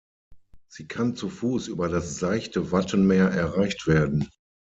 Sie kann zu Fuß über das seichte Wattenmeer erreicht werden.